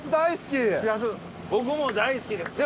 僕も大好きです。